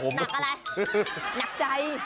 หนักอะไรหนักใจ